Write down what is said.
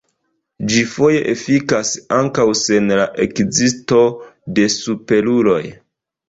Ĝi foje efikas ankaŭ sen la ekzisto de superuloj.